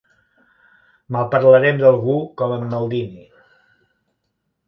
Malparlarem d'algú com en Maldini.